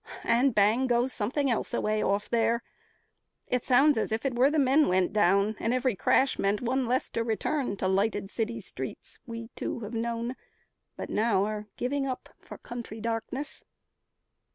And bang goes something else away off there. It sounds as if it were the men went down, And every crash meant one less to return To lighted city streets we, too, have known, But now are giving up for country darkness."